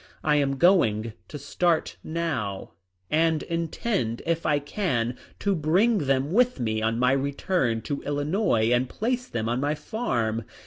I am going to start now and intend, if I can, to bring them with me on my return to Illinois and place them on my farm."